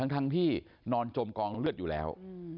ทั้งที่นอนจมกองเลือดอยู่แล้ว